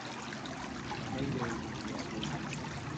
Quina ideologia s'hi va impulsar?